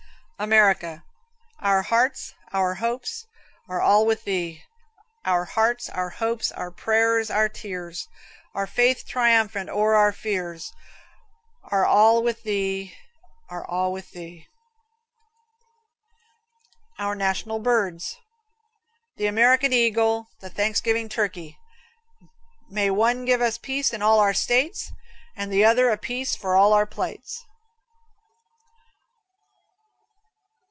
America. Our hearts, our hopes are all with thee, Our hearts, our hopes, our prayers, our tears, Our faith triumphant o'er our fears, Are all with thee, are all with thee. Our National Birds. The American Eagle, the Thanksgiving Turkey: may one give us peace in all our States and the other a piece for all our plates.